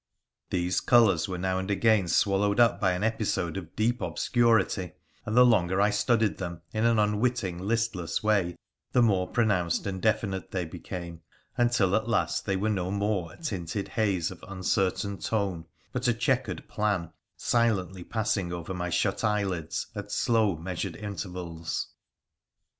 These colours were now and again swallowed up by an episode of deep obscurity, and the longer I studied them in an unwitting, listless way the more pronounced and definite they became, until at last they were no more a tinted haze of uncertain tone, but a chequered plan, silently passing over my shut eyelids at slow, measured intervals.